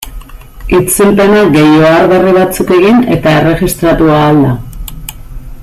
Itzulpena gehi ohar berri batzuk egin eta erregistratu ahal da.